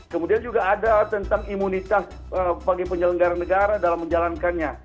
kemudian juga ada tentang imunitas bagi penyelenggara negara dalam menjalankannya